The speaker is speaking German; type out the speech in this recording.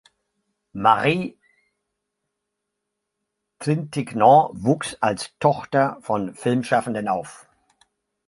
Marie Trintignant wuchs als Tochter von Filmschaffenden auf.